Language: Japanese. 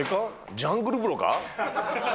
ジャングル風呂か？